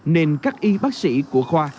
nên các y bác sĩ của khoa